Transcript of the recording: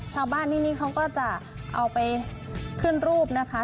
ชาวบ้านที่นี่เขาก็จะเอาไปขึ้นรูปนะคะ